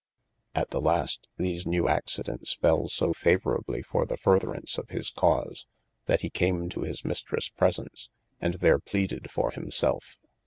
At the last these newe accidentes fell so favourably for the furtherance of his cause, that he came to his Mistresse presence and there pleaded for himselfe.